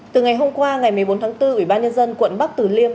từ ngày hôm qua ngày một mươi bốn tháng bốn ủy ban nhân dân quận bắc tử liêm